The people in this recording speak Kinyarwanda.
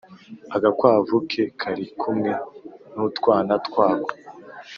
agakwavu ke kari kumwe n’utwana twako.